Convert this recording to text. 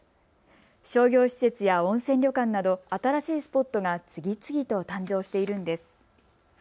商業施設や温泉旅館など新しいスポットが次々と誕生しているんです。